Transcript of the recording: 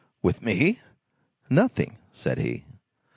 "With me? Nothing," said he.